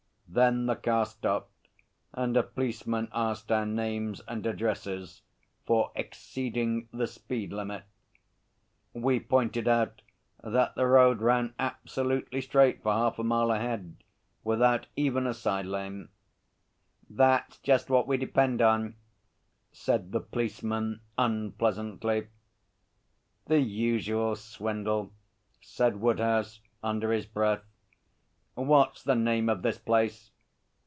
Then the car stopped, and a policeman asked our names and addresses for exceeding the speed limit. We pointed out that the road ran absolutely straight for half a mile ahead without even a side lane. 'That's just what we depend on,' said the policeman unpleasantly. 'The usual swindle,' said Woodhouse under his breath. 'What's the name of this place?'